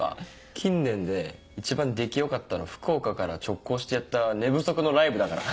近年で一番出来良かったの福岡から直行してやった寝不足のライブだから。